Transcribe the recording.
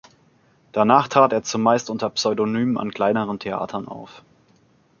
Danach trat er zumeist unter Pseudonymen an kleineren Theatern auf.